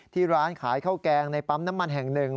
ร้านขายข้าวแกงในปั๊มน้ำมันแห่งหนึ่ง